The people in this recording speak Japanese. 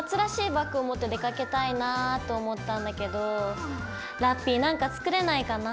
バッグを持って出かけたいなと思ったんだけどラッピィ何か作れないかな？